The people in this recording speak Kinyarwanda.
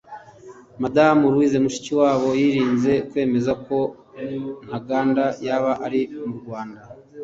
Madame Louise Mushikiwabo yirinze kwemeza ko Ntaganda yaba ari mu Rwanda